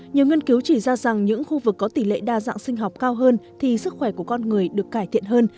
nhiều nghiên cứu chỉ ra rằng những khu vực có tỷ lệ đa dạng sinh học cao hơn thì sức khỏe của con người được cải thiện hơn